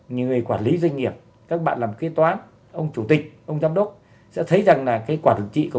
những người quản lý doanh nghiệp các bạn làm kế toán ông chủ tịch ông giám đốc sẽ thấy rằng là cái quản trị